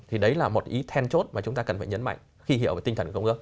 thì đấy là một ý then chốt mà chúng ta cần phải nhấn mạnh khi hiểu về tinh thần công ước